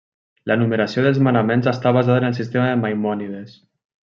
La numeració dels manaments està basada en el sistema de Maimònides.